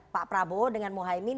pak prabowo dengan moehaimin